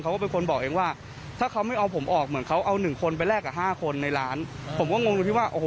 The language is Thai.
เขาก็บอกว่าเดี๋ยวกูหางานใหม่ให้มันทำ